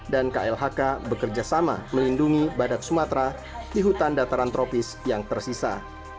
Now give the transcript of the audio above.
dan klhk bekerjasama melindungi badak sumatra di hutan dataran tropis yang tersisa